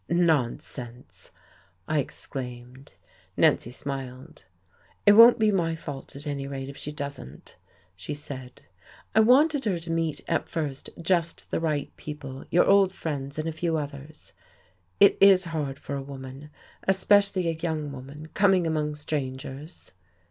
"Nonsense!" I exclaimed. Nancy smiled. "It won't be my fault, at any rate, if she doesn't," she said. "I wanted her to meet at first just the right people your old friends and a few others. It is hard for a woman especially a young woman coming among strangers."